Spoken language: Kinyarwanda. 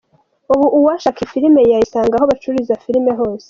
Ubu uwashaka iyi filime ya yisanga ahacururizwa filime hose.